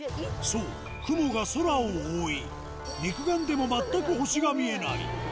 そう、雲が空を覆い、肉眼でも全く星が見えない。